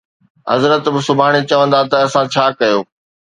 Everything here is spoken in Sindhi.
حضرت به سڀاڻي چوندا ته اسان ڇا ڪيو